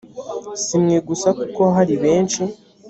si mwe gusa kuko hari benshi